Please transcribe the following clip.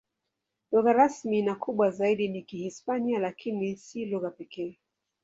Lugha rasmi na kubwa zaidi ni Kihispania, lakini si lugha pekee.